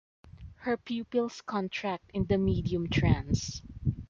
Her pupils contract in the medium-trance.